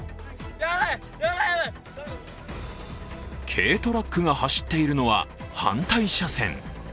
軽トラックが走っているのは反対車線。